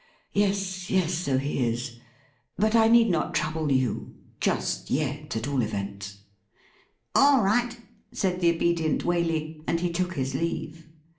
Yes, yes, so he is. But I need not trouble you — just yet,, at all events .'' All right,' said the obedient Waley ; and he took his leave.